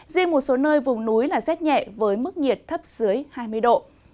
riêng một số nơi vùng núi là rét nhẹ với mức nhiệt thấp dưới hai mươi độ